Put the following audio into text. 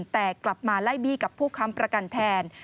แต่กลับมาไล่บี้กับผู้ค้ำประกันแทน